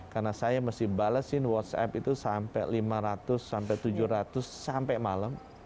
karena saya mesti balesin whatsapp itu sampai lima ratus sampai tujuh ratus sampai malam